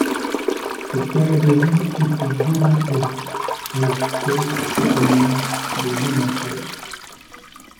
Cette période à vide éprouve durement Evan, alors seul aux commandes des Lemonheads.